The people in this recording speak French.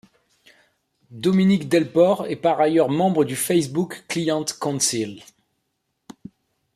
Dominique Delport est par ailleurs membre du Facebook Client Council.